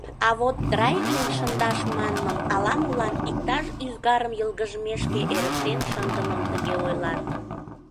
а вот драитлен шындаш манмым — ала-молан иктаж ӱзгарым йылгыжмешке эрыктен шындымым тыге ойлат.